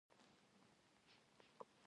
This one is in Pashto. ټکنالوژي څنګه ژوند اسانه کړی؟